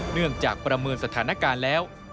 เนื่องจากประเมินสถานการณ์แล้ว